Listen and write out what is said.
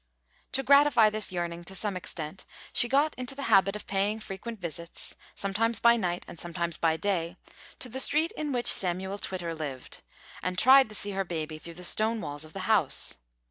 To gratify this yearning to some extent, she got into the habit of paying frequent visits, sometimes by night and sometimes by day, to the street in which Samuel Twitter lived, and tried to see her baby through the stone walls of the house!